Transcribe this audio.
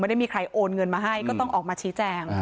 ได้มีใครโอนเงินมาให้ก็ต้องออกมาชี้แจง